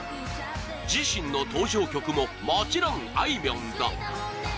自身の登場曲も、もちろんあいみょんだ。